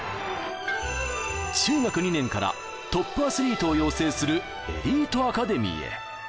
中学２年から、トップアスリートを養成するエリートアカデミーへ。